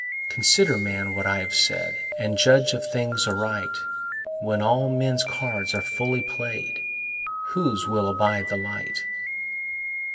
Consider, man, what I have said, And judge of things aright; When all men's cards are fully play'd, Whose will abide the light?